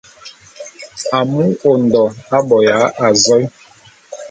Amu Ondo aboya azoé.